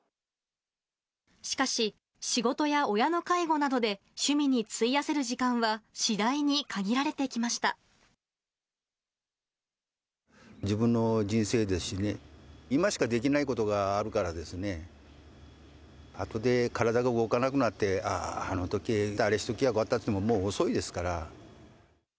しかし、仕事や親の介護などで趣味に費やせる時間は、次第に限られてきま自分の人生ですしね、今しかできないことがあるからですね、あとで体が動かなくなって、あー、あのとき、あれしときゃよかったと思ってももう遅いですから。